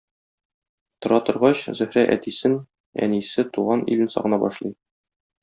Тора торгач, Зөһрә әтисен, әнисе, туган илен сагына башлый.